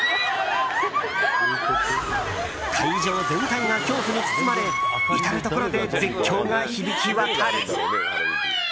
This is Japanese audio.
会場全体が恐怖に包まれ至るところで絶叫が響き渡る。